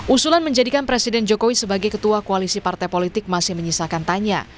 usulan menjadikan presiden jokowi sebagai ketua koalisi partai politik masih menyisakan tanya